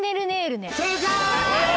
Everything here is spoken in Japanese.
正解！